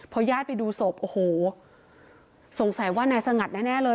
พอญาติไปดูศพโอ้โหสงสัยว่านายสงัดแน่เลย